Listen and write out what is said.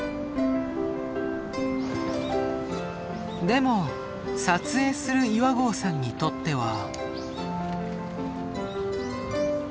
でも撮影する岩合さんにとっては。